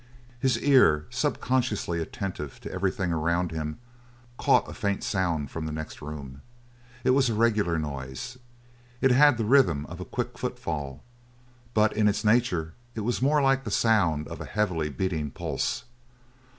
His ear, subconsciously attentive to everything around him, caught a faint sound from the next room. It was a regular noise. It had the rhythm of a quick footfall, but in its nature it was more like the sound of a heavily beating pulse.